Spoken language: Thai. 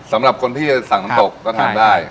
สำหรับคนที่จะสั่งน้ำตกก็ทานได้